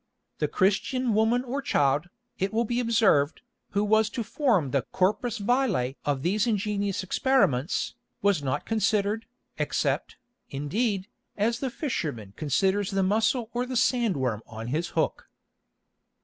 The Christian woman or child, it will be observed, who was to form the corpus vile of these ingenious experiments, was not considered, except, indeed, as the fisherman considers the mussel or the sand worm on his hook.